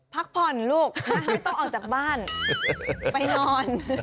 พักผ่อนลูกนะไม่ต้องออกจากบ้านไปนอน